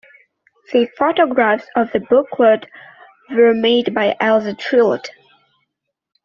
The photographs of the booklet were made by Elsa Trillat.